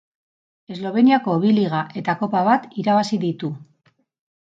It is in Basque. Esloveniako bi Liga eta Kopa bat irabazi ditu.